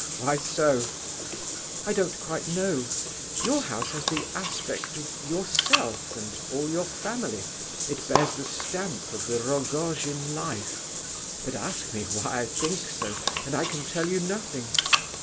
"Why so?" "I don't quite know. Your house has the aspect of yourself and all your family; it bears the stamp of the Rogojin life; but ask me why I think so, and I can tell you nothing.